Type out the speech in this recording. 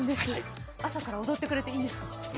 朝から踊ってくれていいんですか？